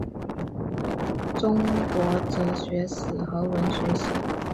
主要研究领域是中国哲学史和文学史。